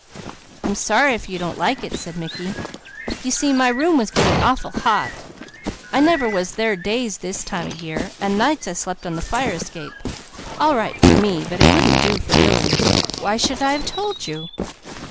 "I'm sorry if you don't like it," said Mickey. "You see my room was getting awful hot. I never was there days this time of year, and nights I slept on the fire escape; all right for me, but it wouldn't do for Lily. Why should I have told you?"